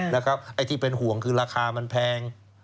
ไอ้ที่เป็นห่วงคือราคามันแพง